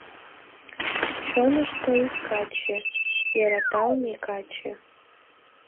Чонышто ик каче, йӧраталме каче!